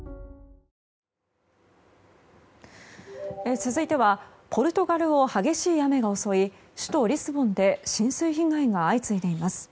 続いてはポルトガルを激しい雨が襲い首都リスボンで浸水被害が相次いでいます。